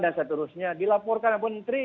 dan seterusnya dilaporkan apapun menteri